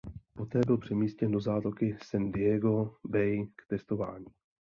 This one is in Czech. Poté byl přemístěn do zátoky San Diego Bay k testování.